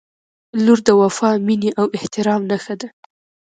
• لور د وفا، مینې او احترام نښه ده.